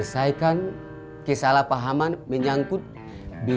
sampai jumpa di video selanjutnya